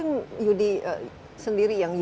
yang yudi sendiri yang